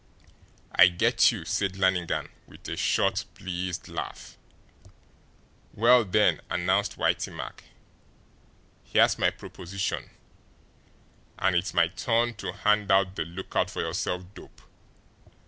"I get you," said Lannigan, with a short, pleased laugh. "Well, then," announced Whitey Mack, "here's my proposition, and it's my turn to hand out the 'look out for your self' dope.